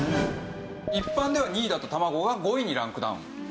一般では２位だった卵が５位にランクダウン。